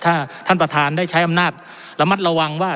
อยากให้ฉันถ้าท่านประธานได้ใช้อำนาจระมัดระวังว่า